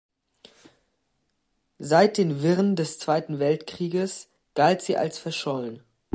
Seit den Wirren des Zweiten Weltkrieges galt sie als verschollen.